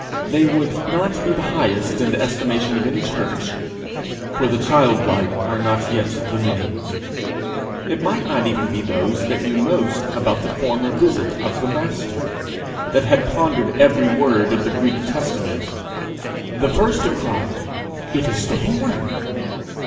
They would not be the highest in the estimation of any church, for the childlike are not yet the many. It might not even be those that knew most about the former visit of the Master, that had pondered every word of the Greek Testament. The first to cry, 'It is the Lord!'